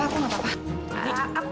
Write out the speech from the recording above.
gak aku gak apa apa